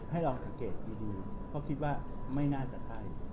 ให้ลองสังเกตดีเพราะคิดว่าไม่น่าจะใช่